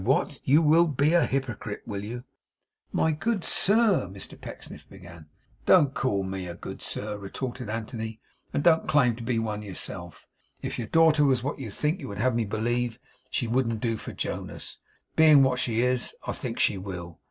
What, you WILL be a hypocrite, will you?' 'My good sir,' Mr Pecksniff began. 'Don't call me a good sir,' retorted Anthony, 'and don't claim to be one yourself. If your daughter was what you would have me believe, she wouldn't do for Jonas. Being what she is, I think she will.